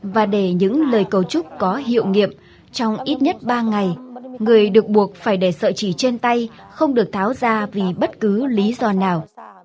và để những lời cầu chúc có hiệu nghiệm trong ít nhất ba ngày người được buộc phải để sợi chỉ trên tay không được tháo ra vì bất cứ lý do nào